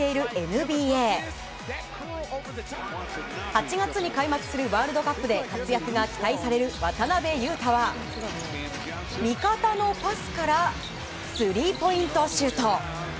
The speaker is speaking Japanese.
８月に開幕するワールドカップで活躍が期待される渡邊雄太は味方のパスからスリーポイントシュート。